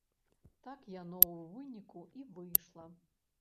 Так яно ў выніку і выйшла.